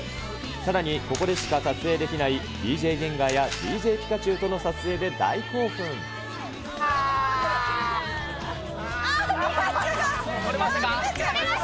さらに、ここでしか撮影できないＤＪゲンガーやＤＪピカチュウとあっ、ピカチュウが。